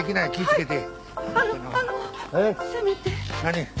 何？